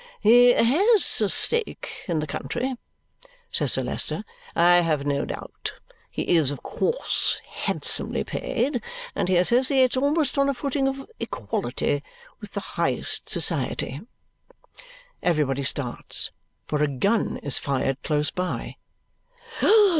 "He has a stake in the country," says Sir Leicester, "I have no doubt. He is, of course, handsomely paid, and he associates almost on a footing of equality with the highest society." Everybody starts. For a gun is fired close by.